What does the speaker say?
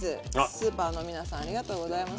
スーパーの皆さんありがとうございます。